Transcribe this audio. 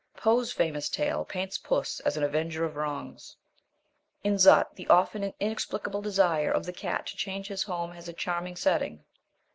Poe's famous tale paints puss as an avenger of wrongs. In Zut the often inexplicable desire of the cat to change his home has a charming setting.